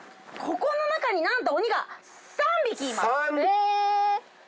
ここの中に何と鬼が３匹いますえーっ